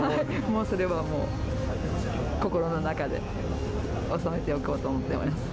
もうそれは、もう心の中で収めておこうと思ってます。